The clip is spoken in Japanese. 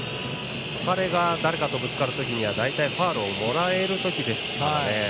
彼が、誰かとぶつかる時には大体、ファウルをもらえる時ですからね。